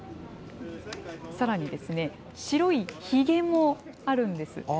さらに白いひげもあるんです。